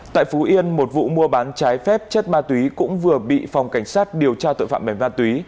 tại phú yên một vụ mua bán trái phép chất ma túy cũng vừa bị phòng cảnh sát điều tra tội phạm về ma túy